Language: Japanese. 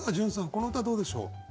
この歌どうでしょう？